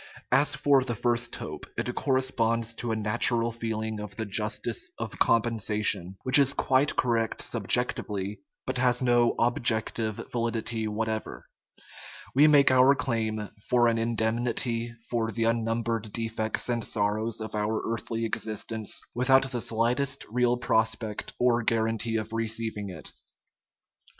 As for the first hope, it corresponds to a natural feeling of the justice of compensation, which is quite correct subjec tively, but has no objective validity whatever. We make our claim for an indemnity for the unnumbered defects and sorrows of our earthly existence, without the slightest real prospect or guarantee of receiving it.